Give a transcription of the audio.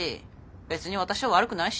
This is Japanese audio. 別に私は悪くないし。